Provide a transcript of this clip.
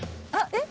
えっ？